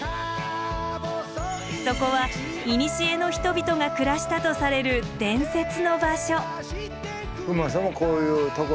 そこは古の人々が暮らしたとされる伝説の場所。